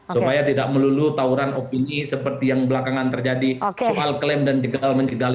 supaya tidak melulu tawuran opini seperti yang belakangan terjadi soal klaim dan jegal menjegal